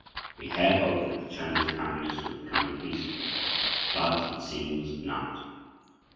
We had hoped that the Chinese Communists were becoming peaceful—but it seems not.